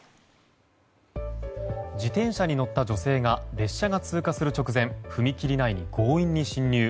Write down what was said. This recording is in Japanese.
自転車に乗った女性が列車が通過する直前踏切内に強引に進入。